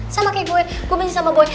sama kayak gue gue bencin sama boy